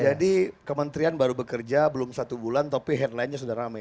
jadi kementerian baru bekerja belum satu bulan tapi headlinenya sudah ramai